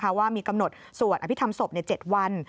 ว่ามีกำหนดสวดอภิษฐรรมศพใน๗วัน